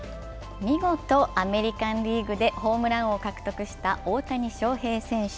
見事、アメリカン・リーグでホームラン王を獲得した大谷翔平選手。